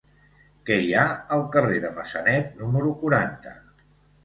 Què hi ha al carrer de Massanet número quaranta?